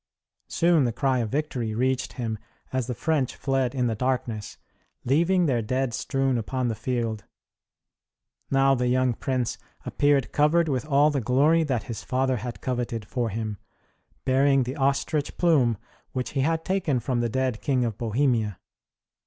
Soon the cry of victory reached him as the French fled in the darkness, leaving their dead strewn upon the field. Now the young prince appeared covered with all the glory that his father had coveted for him, bearing the ostrich plume which he had taken from the dead King of Bohemia.